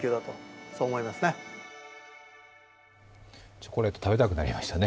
チョコレート、食べたくなりましたね。